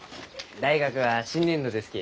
大学は新年度ですき。